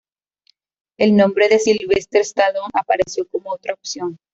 El nombre de Sylvester Stallone apareció como otra opción.